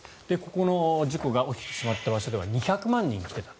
ここの事故が起きてしまった場所では２００万人が来ていた。